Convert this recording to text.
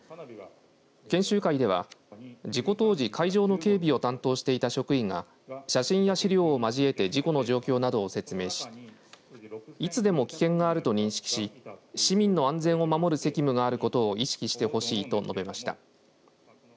研修会では事故当時、会場の警備を担当していた職員が写真や資料を交えて事故の状況などを説明しいつでも危険があると認識し市民の安全を守る責務があることを意識してほしいと述べました。